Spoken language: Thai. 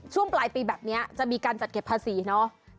ช่วงปลายปีแบบนี้จะมีการจัดเก็บภาษีเนาะ